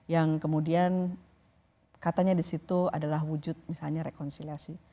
yang kemudian katanya di situ adalah wujud misalnya rekonsiliasi